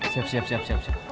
siap siap siap